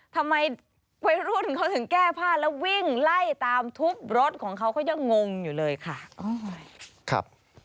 ทำไมวัยรุ่นเขาถึงแก้ผ้าแล้ววิ่งไล่ตามทุบรถของเขาเขายังงงอยู่เลยค่ะ